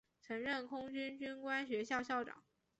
曾任空军军官学校校长。